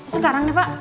sekarang deh pak